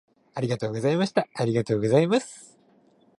ありがとうございました。ありがとうございます。